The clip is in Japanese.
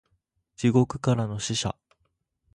地獄からの使者